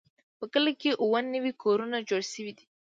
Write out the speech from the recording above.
په کلي کې اووه نوي کورونه جوړ شوي دي.